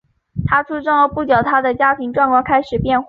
他出生后不久他的家庭状况开始变坏。